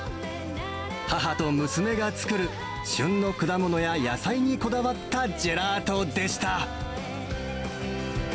母と娘が作る、旬の果物や野菜にこだわったジェラートでした。